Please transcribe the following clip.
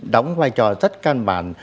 đóng vai trò rất căn bản